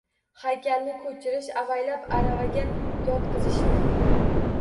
Haykalni ko‘chirish, avaylab aravaga yotqizishdi.